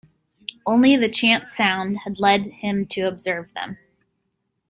Only the chance sound had led him to observe them.